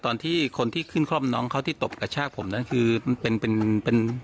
ตอนที่คนที่ขึ้นคล่อมน้องเขาที่ตบกระชากผมนั้นคือเป็นเป็น